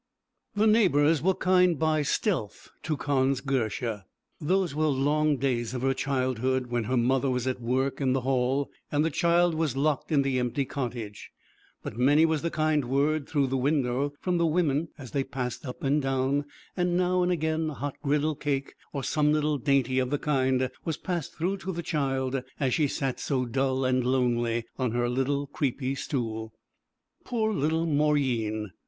The neighbours were kind by stealth to Con's girsha. Those were long days of her childhood when her mother was at work in the Hall, and the child was locked in the empty cottage; but many was the kind word through the window, from the women as they passed up and down, and now and again a hot griddle cake, or some little dainty of the kind, was passed through to the child as she sat so dull and lonely on her little creepy stool. Poor little Mauryeen!